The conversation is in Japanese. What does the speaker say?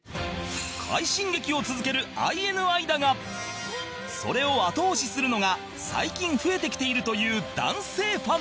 快進撃を続ける ＩＮＩ だがそれを後押しするのが最近増えてきているという男性ファン